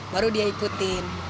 baru dia ikutin